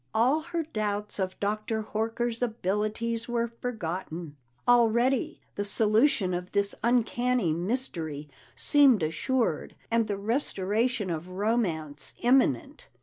All her doubts of Dr. Horker's abilities were forgotten; already the solution of this uncanny mystery seemed assured, and the restoration of romance imminent.